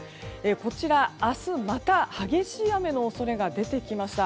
こちら、明日また激しい雨の恐れが出てきました。